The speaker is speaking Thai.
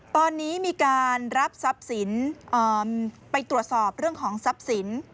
ตอนนี้มีการรับทรัพย์สินไปตรวจสอบเรื่องของทรัพย์สิน